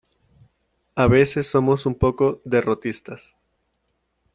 A veces somos un poco derrotistas.